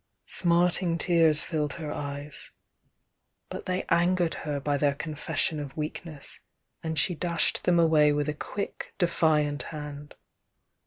Smarting tears filled her eyes,— but they an gered her by their confession of weakness, and she dashed them away with a quick, defiant hand.